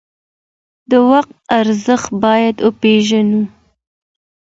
د وخت ارزښت باید وپیژنو.